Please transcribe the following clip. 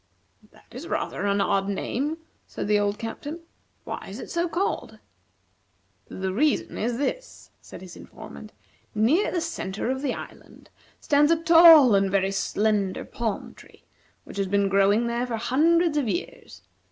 "That is rather an odd name," said the old Captain. "Why is it so called?" "The reason is this," said his informant. "Near the centre of the island stands a tall and very slender palm tree, which has been growing there for hundreds of years.